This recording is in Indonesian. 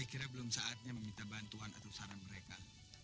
saya kira belum saatnya meminta bantuan atau saran mereka